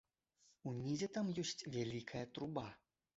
Унізе там ёсць вялікая труба.